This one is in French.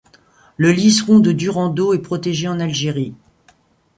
Le Liseron de Durando est protégé en Algérie.